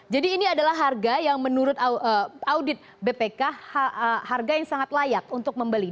jadi ini adalah harga yang menurut audit bpk harga yang sangat layak untuk membeli